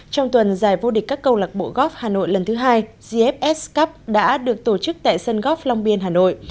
trong tuần giải vô địch các câu lạc bộ góp hà nội lần thứ hai gfs cup đã được tổ chức tại sân góp long biên hà nội